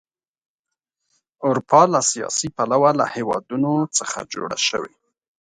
اروپا له سیاسي پلوه له هېوادونو څخه جوړه شوې.